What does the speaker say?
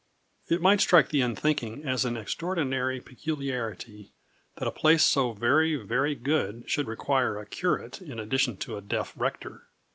It might strike the unthinking as an extraordinary peculiarity that a place so very, very good should require a curate in addition to a deaf rector.